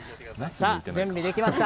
準備できました。